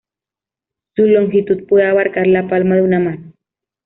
Su longitud puede abarcar la palma de una mano.